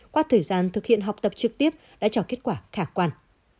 qua thời gian thực hiện học tập trực tiếp đã cho kết quả khả quan